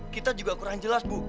kita juga kurang jelas bu